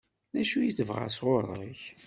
D acu i tebɣa sɣur-k?